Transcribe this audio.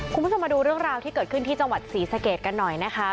คุณผู้ชมมาดูเรื่องราวที่เกิดขึ้นที่จังหวัดศรีสะเกดกันหน่อยนะคะ